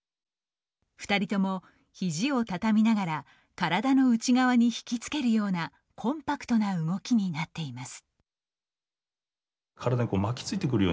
２人ともひじを畳みながら体の内側に引き付けるようなコンパクトな動きになっています。